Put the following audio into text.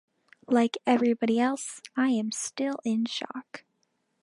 Like everybody else, I am still in shock.